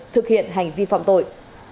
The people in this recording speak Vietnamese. thực hiện hành vi phạm tội